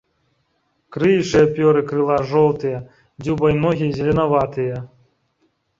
Крыючыя пёры крыла жоўтыя, дзюба і ногі зеленаватыя.